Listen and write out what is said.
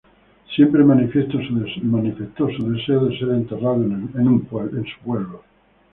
Siempre manifestó su deseo de ser enterrado en su pueblo.